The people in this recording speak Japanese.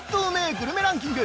グルメランキング！